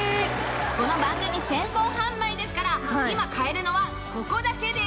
この番組先行販売ですから今買えるのはここだけです。